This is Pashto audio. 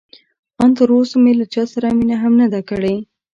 ان تراوسه مې له چا سره مینه هم نه ده کړې.